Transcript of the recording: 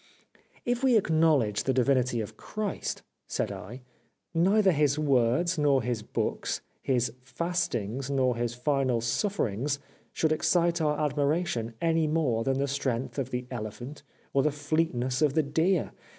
"* If we acknowledge the divinity of Christ,' said I, ' neither his words nor his books, his fastings nor his final sufferings should excite our 379 The Life of Oscar Wilde admiration any more than the strength of the elephant or the fleetness of the deer.